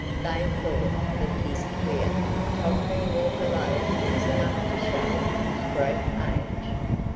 They thought that his queer, tottering walk alone was enough to show his great age.